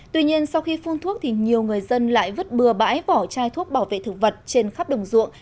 tuy nhiên sau khi phun thuốc thì nhiều người dân lại vứt bừa bãi vỏ chai thuốc bảo vệ thực vật trên khắp đồng ruộng